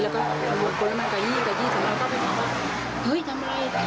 แล้วก็ไปถามว่าเฮ้ยทำอะไรมันก็ทำชูมือมันก็ชูมืออย่างนี้